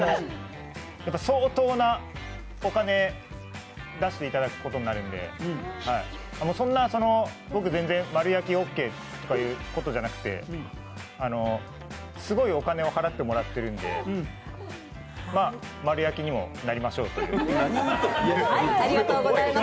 相当なお金を出していただくことになるんで、僕、全然、丸焼きオッケーということじゃなくてすごいお金を払ってもらってるんで、丸焼きにもなりましょうという。